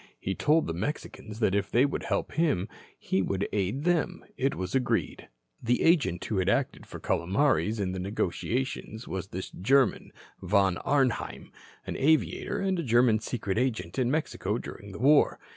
He told the Mexicans that if they would help him, he would aid them. It was agreed. The agent who had acted for Calomares in the negotiations was this German, Von Arnheim, an aviator and a German secret agent in Mexico during the war.